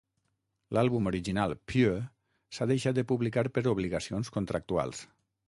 L'àlbum original "Pure" s'ha deixat de publicar per obligacions contractuals.